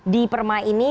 di perma ini